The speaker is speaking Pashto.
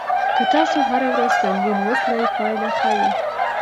که تاسو هره ورځ تمرین وکړئ، پایله ښه وي.